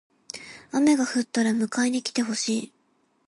雨が降ったら迎えに来てほしい。